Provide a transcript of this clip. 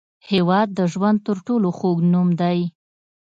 هېواد د ژوند تر ټولو خوږ نوم دی.